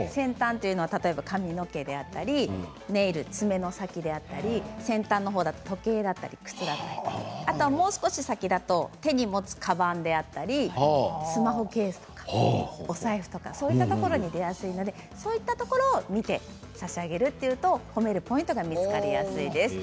例えば髪の毛であったりネイル爪の先であったり時計だったり、靴だったりもう少し先だと手に持つかばんであったりスマホケースとかお財布とかそういうところに出やすいのでそうところを見て差し上げると褒めるポイントが見つかりやすいです。